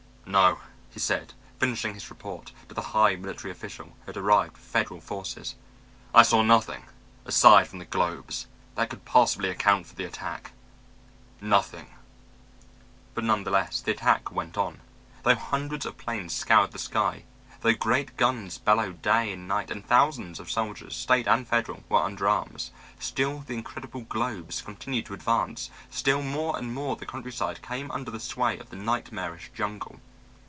"No," he said, finishing his report to the high military official who had arrived with federal forces, "I saw nothing aside from the globes that could possibly account for the attack. Nothing." But none the less the attack went on. Though hundreds of planes scoured the sky, though great guns bellowed day and night and thousands of soldiers, state and federal, were under arms, still the incredible globes continued to advance, still more and more of the countryside came under the sway of the nightmarish jungle.